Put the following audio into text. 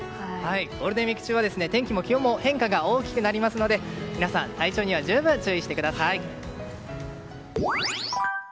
ゴールデンウィーク中は天気も気温も変化が大きくなりますので皆さん、体調には十分注意してください。